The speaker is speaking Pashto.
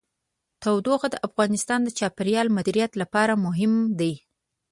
تودوخه د افغانستان د چاپیریال د مدیریت لپاره مهم دي.